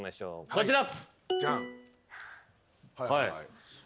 こちら。